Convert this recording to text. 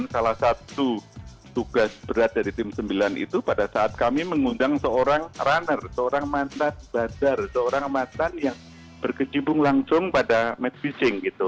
salah satu tugas berat dari tim sembilan itu pada saat kami mengundang seorang runner seorang mantan badar seorang macan yang berkecimpung langsung pada match fitching gitu